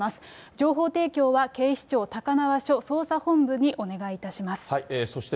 情報提供は、警視庁高輪署捜査本部にお願いいたします。